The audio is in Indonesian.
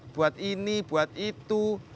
buat ini buat itu